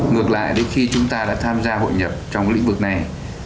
ngược lại đến khi chúng ta đã tham gia hội nhập trong lĩnh vực này